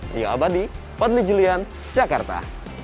dio abadi padly julian jakarta